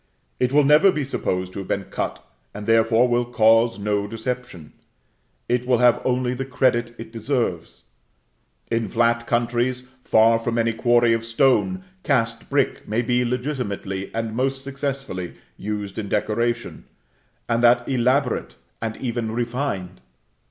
It will never be supposed to have been cut, and therefore, will cause no deception; it will have only the credit it deserves. In flat countries, far from any quarry of stone, cast brick may be legitimately, and most successfully, used in decoration, and that elaborate, and even refined.